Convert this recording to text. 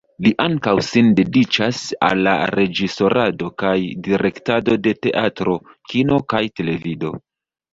Li ankaŭ sin dediĉas al la reĝisorado kaj direktado de teatro, kino kaj televido.